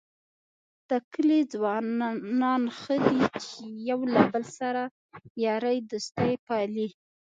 د کلي ځوانان ښه دي یو له بل سره یارۍ دوستۍ پالي.